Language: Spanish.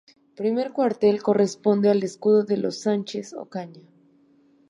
Primer cuartel, corresponde al escudo de los Sánchez-Ocaña.